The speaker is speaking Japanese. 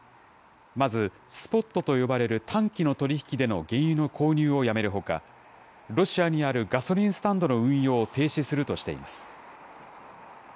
まず、スポットと呼ばれる短期の取り引きでの原油の購入をやめるほか、ロシアにあるガソリンスタンドの運用を停止するとしています。